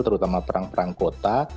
terutama perang perang kota